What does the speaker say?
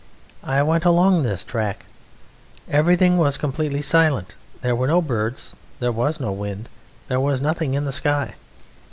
I went along this track. Everything was completely silent. There were no birds, there was no wind, there was nothing in the sky.